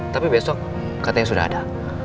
tapi besok katanya sudah ada